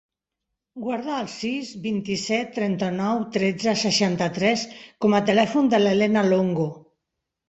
Guarda el sis, vint-i-set, trenta-nou, tretze, seixanta-tres com a telèfon de la Helena Longo.